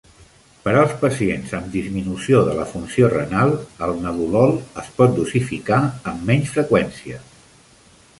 Per als pacients amb disminució de la funció renal, el nadolol es pot dosificar amb menys freqüència.